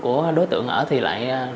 của đối tượng ở thì lại